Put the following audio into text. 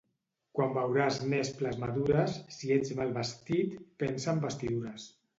Quan veuràs nesples madures, si ets mal vestit, pensa en vestidures.